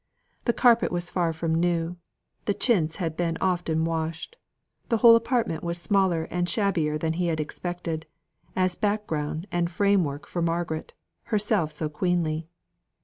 The carpet was far from new; the chintz had been often washed; the whole apartment was smaller and shabbier than he had expected, as back ground and frame work for Margaret, herself so queenly.